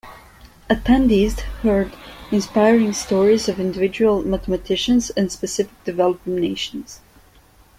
Attendees heard inspiring stories of individual mathematicians and specific developing nations.